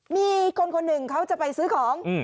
มีคนคนหนึ่งเขาจะไปซื้อของ